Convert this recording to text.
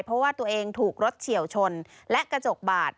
เพราะว่าตัวเองถูกรถเฉียวชนและกระจกบาด